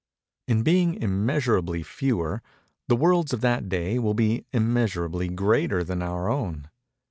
In being immeasurably fewer, the worlds of that day will be immeasurably greater than our own.